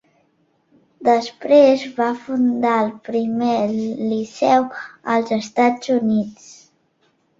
Després, va fundar el primer liceu als Estats Units.